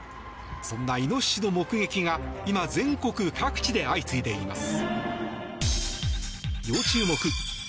そんなイノシシの目撃が今、全国各地で相次いでいます。